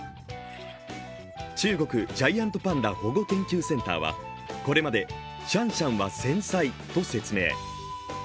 中国ジャイアントパンダ保護研究センターはこれまでシャンシャンは繊細と説明。